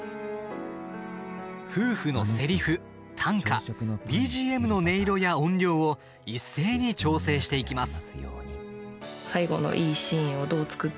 夫婦のせりふ、短歌、ＢＧＭの音色や音量を一斉に調整していきます。